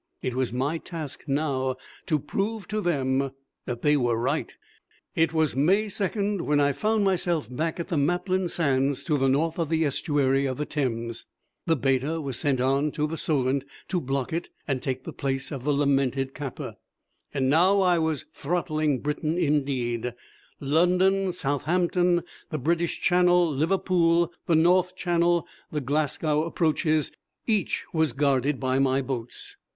It was my task now to prove to them that they were right. It was May 2nd when I found myself back at the Maplin Sands to the north of the estuary of the Thames. The Beta was sent on to the Solent to block it and take the place of the lamented Kappa. And now I was throttling Britain indeed London, Southampton, the Bristol Channel, Liverpool, the North Channel, the Glasgow approaches, each was guarded by my boats.